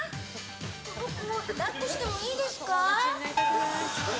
この子抱っこしてもいいですか？